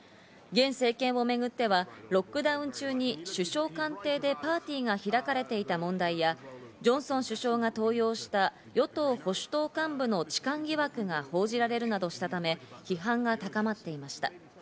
現政権をめぐっては、ロックダウン中に首相官邸でパーティーが開かれていた問題やジョンソン首相が登用した与党・保守党幹部の痴漢疑惑が報じられるなどしたため、批判が高まっていました。